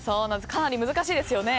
かなり難しいですよね。